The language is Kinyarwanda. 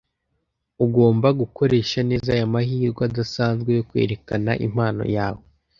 Ugomba gukoresha neza aya mahirwe adasanzwe yo kwerekana impano yawe